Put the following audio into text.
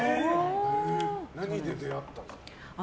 何で出会ったんですか？